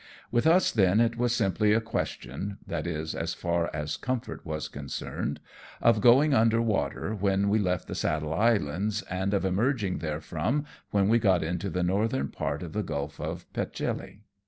With us then it was simply a question (that is, as far as comfort was concerned) of going under water when we left the Saddle Islands, and of emerging therefrom when WE DESTROY THE PIE ATE JUNKS. 39 we got into the northern part of the Gulf of Petchelee.